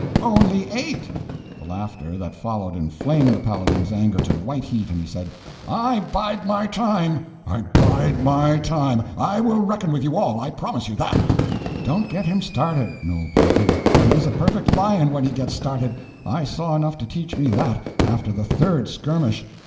"Only eight." The laughter that followed inflamed the Paladin's anger to white heat, and he said: "I bide my time—I bide my time. I will reckon with you all, I promise you that!" "Don't get him started," Noel pleaded; "he is a perfect lion when he gets started. I saw enough to teach me that, after the third skirmish.